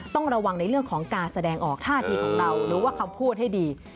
ต้องระวังในเรื่องของการแสดงออกท่าทีของเราหรือว่าคำพูดให้ดี